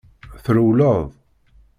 Trewled.